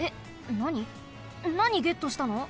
なにゲットしたの？